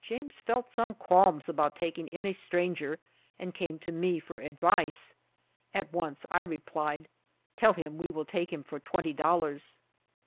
James felt some qualms about taking in a stranger and came to me for advice. At once I replied "Tell him we will take him for twenty dollars."